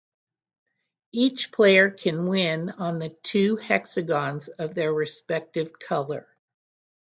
Each player can win on the two hexagons of their respective colour.